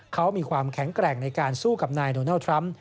เขามีความแข็งแกร่งในการสู้กับนายโดนัลด์ทรัมป์